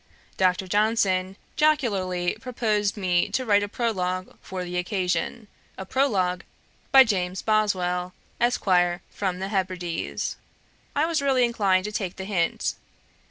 Dr. Johnson jocularly proposed me to write a Prologue for the occasion: 'A Prologue, by James Boswell, Esq. from the Hebrides.' I was really inclined to take the hint.